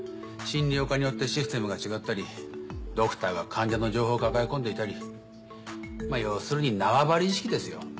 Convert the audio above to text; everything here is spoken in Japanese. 診療科によってシステムが違ったりドクターが患者の情報を抱え込んでいたりまあ要するに縄張り意識ですよ。